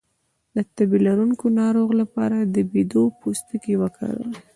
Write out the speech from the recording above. د تبه لرونکي ناروغ لپاره د بید پوستکی وکاروئ